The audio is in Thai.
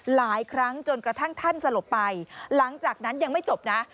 หลายครั้งจนกระทั่งท่านสลบไปหลังจากนั้นยังไม่จบนะ